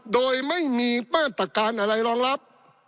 โดยไม่มีมาตรการอะไรรองรับ